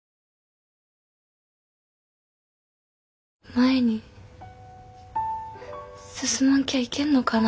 前に進まんきゃいけんのかな。